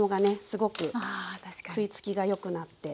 すごく食いつきがよくなって。